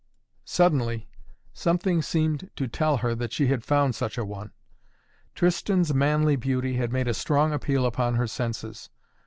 Suddenly something seemed to tell her that she had found such a one. Tristan's manly beauty had made a strong appeal upon her senses.